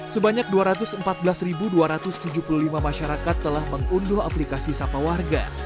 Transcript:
sebanyak dua ratus empat belas dua ratus tujuh puluh lima masyarakat telah mengunduh aplikasi sapa warga